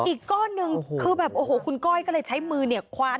อีกก้อนหนึ่งคือแบบโอ้โหคุณก้อยก็เลยใช้มือเนี่ยคว้าน